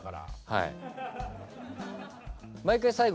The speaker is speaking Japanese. はい。